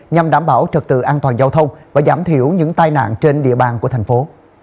nhằm đảm bảo trật tự an toàn giao thông và giảm thiểu những tai nạn trên địa bàn của thành phố